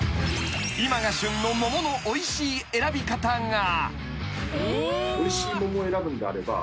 ［今が旬の桃のおいしい選び方が］